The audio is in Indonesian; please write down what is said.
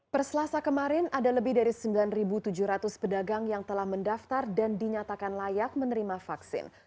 perselasa kemarin ada lebih dari sembilan tujuh ratus pedagang yang telah mendaftar dan dinyatakan layak menerima vaksin